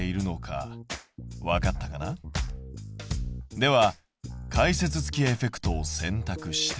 では解説付きエフェクトをせんたくして。